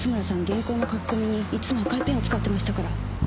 原稿の書き込みにいつも赤いペンを使ってましたから。